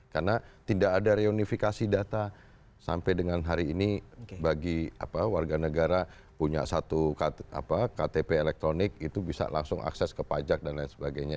karena tidak ada reunifikasi data sampai dengan hari ini bagi warga negara punya satu ktp elektronik itu bisa langsung akses ke pajak dan lain sebagainya